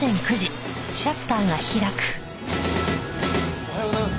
おはようございます。